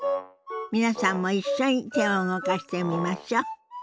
皆さんも一緒に手を動かしてみましょ。